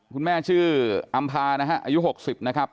คุณแม่ชื่ออำภานะฮะอายุ๖๐นะครับ